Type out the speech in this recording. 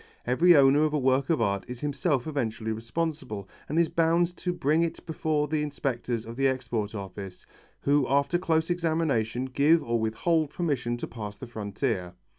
Every owner of a work of art is himself eventually responsible, and is bound to bring it before the inspectors of the Export Office, who after close examination give or withhold permission to pass the frontier.